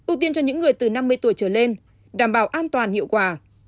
ưu tiên cho những người từ năm mươi tuổi trở lên đảm bảo an toàn hiệu quả